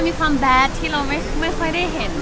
มีความแดดที่เราไม่ค่อยได้เห็น